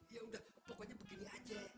ya udah pokoknya begini aja